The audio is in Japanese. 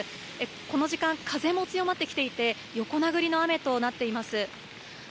この時間、風も強まってきていて横殴りの雨となっています。